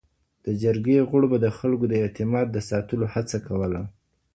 د جرګي غړو به د خلکو د اعتماد د ساتلو هڅه کوله.